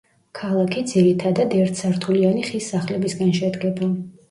ქალაქი ძირითადად ერთსართულიანი ხის სახლებისგან შედგება.